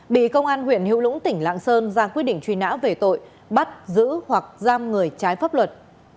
bị công an huyện hữu lũng tỉnh lạng sơn ra quyết định truy nã về tội bắt giữ hoặc giam người trái pháp luật